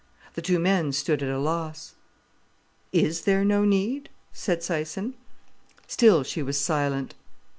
The two men stood at a loss. "Is there no need?" said Syson. Still she was silent.